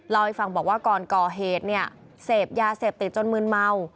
ลอยฝั่งบอกว่าก่อนก่อเหตุเสพยาเสพติดจนมืนเมา